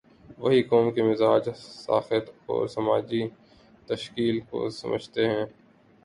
وہی قوم کے مزاج، ساخت اور سماجی تشکیل کو سمجھتے ہیں۔